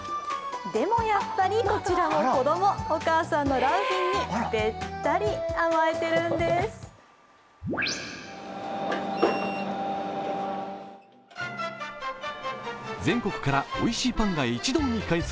でもやっぱりこちらも子供、お母さんの良浜にべったり甘えてるんです。